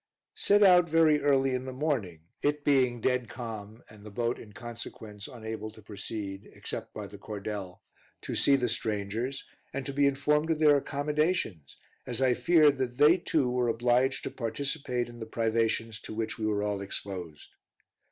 Set out very early in the morning, it being dead calm, and the boat in consequence unable to proceed, except by the cordel, to see the strangers, and to be informed of their accommodations, as I feared that they too were obliged to participate in the privations to which we were all exposed.